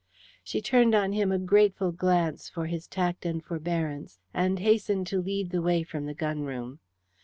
She turned on him a grateful glance for his tact and forbearance, and hastened to lead the way from the gun room.